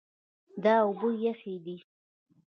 دا اوبه یخې دي.